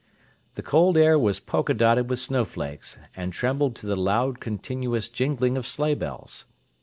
The cold air was polka dotted with snowflakes, and trembled to the loud, continuous jingling of sleighbells.